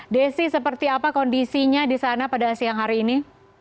desi seperti apa kondisinya di sana pada siang hari ini